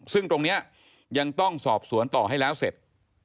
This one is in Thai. ซึ่งตรงนี้ยังต้องสอบสวนต่อให้แล้วเสร็จ